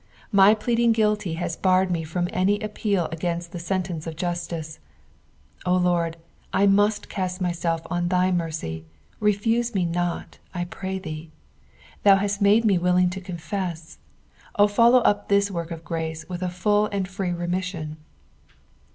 My pleading guilty has barred me from any appeal against the sentence of justice : O Lord, I must cast myself on thy mercy, refuse me not, I pray thee. Thou hast made me williof; to confess. O folluw up this work of gnice with a full and free remission